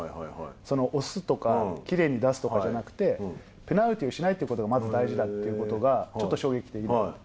その押すとか、きれいに出すとかじゃなくて、ペナルティをしないってことが、まず大事だということがちょっと衝撃で、今。